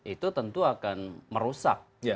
itu tentu akan merusak